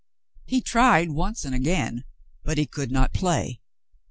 He tried once and again, but he could not play.